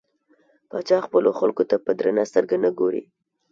پاچا خپلو خلکو ته په درنه سترګه نه ګوري .